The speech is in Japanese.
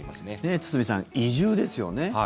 堤さん、移住ですよね。